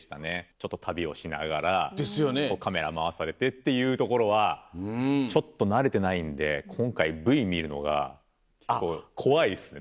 ちょっと旅をしながらカメラ回されてっていうところはちょっと慣れてないんで今回ＶＴＲ見るのが怖いですね。